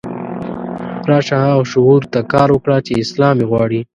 راشه هغه شعور ته کار وکړه چې اسلام یې غواړي.